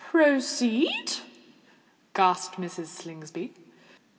"Proceed," gasped Mrs. Slingsby.